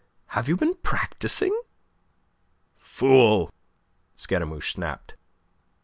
Have you been practising?" "Fool!" Scaramouche snapped.